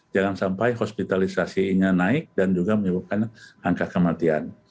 jangan sampai hospitalisasinya naik dan juga menyebabkan angka kematian